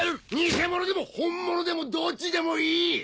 偽者でも本物でもどっちでもいい！